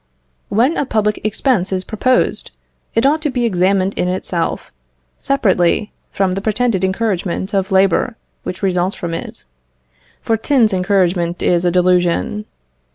When a public expense is proposed, it ought to be examined in itself, separately from the pretended encouragement of labour which results from it, for tins encouragement is a delusion.